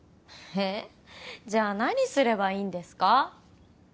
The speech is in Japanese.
えじゃあ何すればいいんですか？